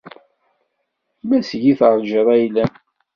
Ma seg-i tarǧiḍ ayla-m.